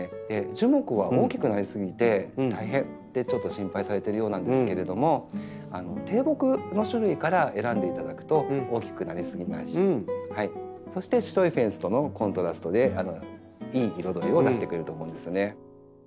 樹木は大きくなり過ぎて大変ってちょっと心配されてるようなんですけれども低木の種類から選んでいただくと大きくなり過ぎないしそして白いフェンスとのコントラストでいい彩りを出してくれると思うんですよね。